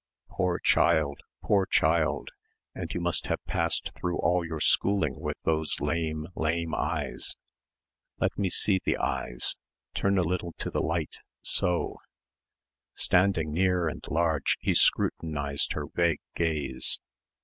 "Poor child, poor child, and you must have passed through all your schooling with those lame, lame eyes ... let me see the eyes ... turn a little to the light ... so." Standing near and large he scrutinised her vague gaze.